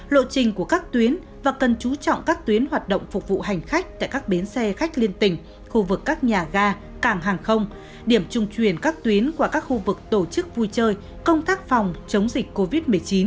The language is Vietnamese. lộ trình của các tuyến và cần chú trọng các tuyến hoạt động phục vụ hành khách tại các bến xe khách liên tỉnh khu vực các nhà ga cảng hàng không điểm trung truyền các tuyến qua các khu vực tổ chức vui chơi công tác phòng chống dịch covid một mươi chín